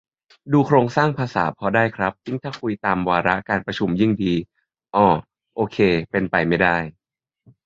ดูโครงสร้างภาษาพอได้ครับ ยิ่งถ้าคุยตามวาระการประชุมยิ่งดี อ่อ โอเค เป็นไปไม่ได้